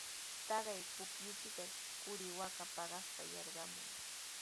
Taqay pukyupitashi quri waaka paqaspa yarqamun.